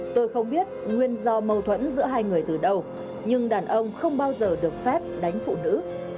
tôi không biết nguyên do mâu thuẫn giữa hai người từ đâu nhưng đàn ông không bao giờ được phép đánh phụ nữ